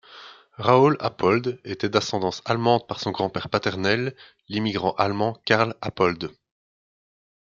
Raúl Apold était d’ascendance allemande par son grand-père paternel, l’immigrant allemand Karl Apold.